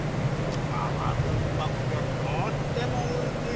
あまずっぱくてとってもおいしい。